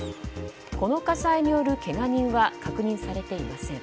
この火災によるけが人は確認されていません。